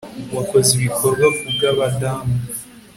Wakoze ibikorwa ku bwabadamu